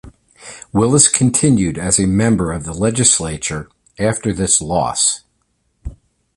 Willis continued as a member of the legislature after this loss.